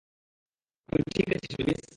তুই ঠিক আছিস, মেভিস?